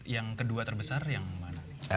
yang kedua terbesar yang mana